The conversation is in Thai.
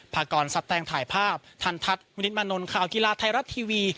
พากรสับแตงถ่ายภาพทันทัศน์วินิตมานนท์ข่าวกีฬาไทยรัฐทีวี